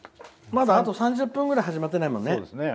あと３０分ぐらい始まってないもんね。